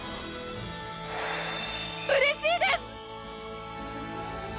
うれしいです！！